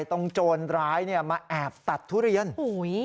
โจรร้ายเนี่ยมาแอบตัดทุเรียนอุ้ย